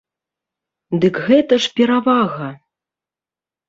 Дык гэта ж перавага!